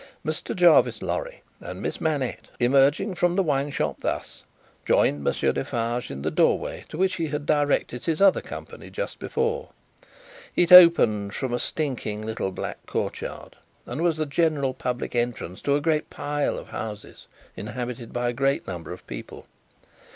Mr. Jarvis Lorry and Miss Manette, emerging from the wine shop thus, joined Monsieur Defarge in the doorway to which he had directed his own company just before. It opened from a stinking little black courtyard, and was the general public entrance to a great pile of houses, inhabited by a great number of people.